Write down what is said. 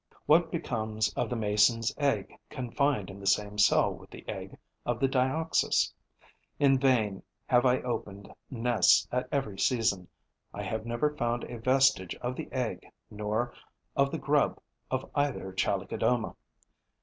What becomes of the Mason's egg confined in the same cell with the egg of the Dioxys? In vain have I opened nests at every season; I have never found a vestige of the egg nor of the grub of either Chalicodoma.